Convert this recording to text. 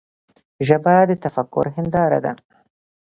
ژبه د تفکر هنداره ده.